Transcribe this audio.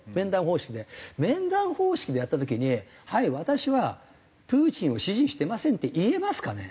面談方式でやった時に「はい私はプーチンを支持してません」って言えますかね？